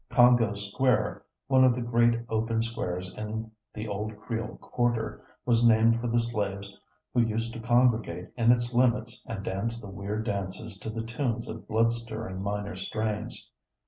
Congo Square, one of the great open squares in the old Creole quarter, was named for the slaves who used to congregate in its limits and dance the weird dances to the tunes of blood stirring minor strains.